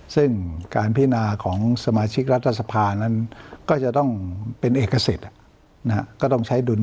ซึ่งการพินาของสมาชิกรัฐสภานั้นก็จะต้องเป็นเอกเศษนะฮะ